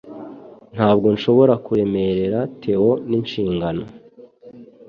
Ntabwo nshobora kuremerera Theo n'inshingano.